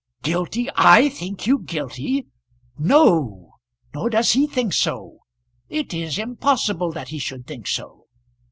"Guilty I think you guilty! No, nor does he think so. It is impossible that he should think so.